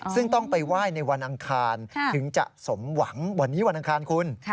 ซึ่งต้องไปไหว้ในวันอังคารถึงจะสมหวังวันนี้วันอังคารคุณ